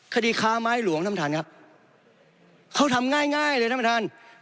คดีค้าไม้หลวงท่านประธานครับเขาทำง่ายง่ายเลยท่านประธาน